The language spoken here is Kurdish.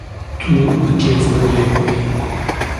- Tu bi kêfa dilê xwe yî…